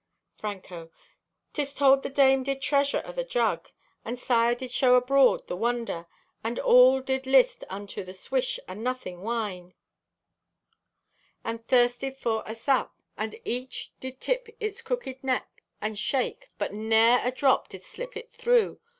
(Franco) "'Tis told the dame did treasure o' the jug, and sire did shew abroad the wonder, and all did list unto the swish o' 'nothing wine,' and thirsted for asup, and each did tip its crook'd neck and shake, but ne'er a drop did slip it through.